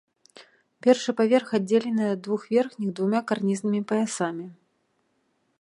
Першы паверх аддзелены ад двух верхніх двума карнізнымі паясамі.